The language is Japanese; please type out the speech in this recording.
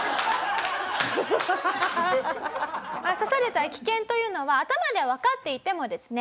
刺されたら危険というのは頭ではわかっていてもですね